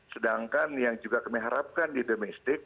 sedangkan yang juga kami harapkan di domestik